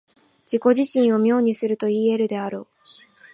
自己自身を明にするといい得るであろう。